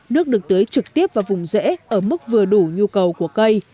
nước được tưới trực tiếp vào vùng rễ ở mức vừa đủ nhu cầu của cây